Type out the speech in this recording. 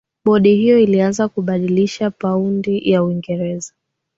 bodi hiyo ilianza kubadilisha paundi ya uingereza